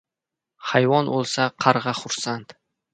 • Hayvon o‘lsa ― qarg‘a xursand.